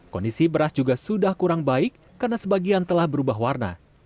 kondisi beras juga sudah kurang baik karena sebagian telah berubah warna